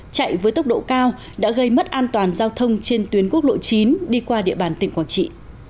chạy với tốc độ cao đã gây mất an toàn giao thông trên tuyến quốc lộ chín đi qua địa bàn tỉnh quảng trị